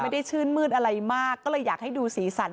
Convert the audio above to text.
ชื่นมืดอะไรมากก็เลยอยากให้ดูสีสัน